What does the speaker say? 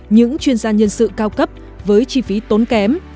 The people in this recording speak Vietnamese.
những chuyên gia nhân sự cao cấp với chi phí tốn kém